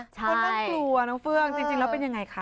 คนเริ่มกลัวน้องเฟื้องจริงแล้วเป็นอย่างไรคะ